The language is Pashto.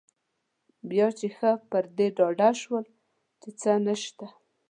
بیا چې ښه پر دې ډاډه شول چې څه نشته.